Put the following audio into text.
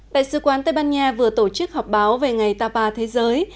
đại sứ quán tây ban nha vừa tổ chức họp báo về ngày tapa thế giới